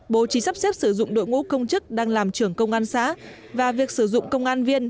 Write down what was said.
bố trí sắp xếp sử dụng đội ngũ công chức đang làm trưởng công an xã và việc sử dụng công an viên